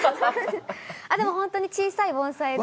でもほんとに小さい盆栽で。